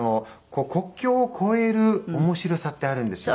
国境を超える面白さってあるんですよね。